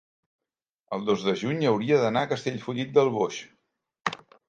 el dos de juny hauria d'anar a Castellfollit del Boix.